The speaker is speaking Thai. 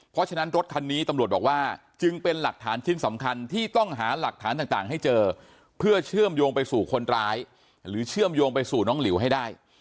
เพราะฉะนั้นรถคันนี้ตำรวจบอกว่าจึงเป็นหลักฐานชิ้นสำคัญที่ต้องหาหลักฐานต่างให้เจอเพื่อเชื่อมโยงไปสู่คนร้ายหรือเชื่อมโยงไปสู่น้องหลิวให้ได้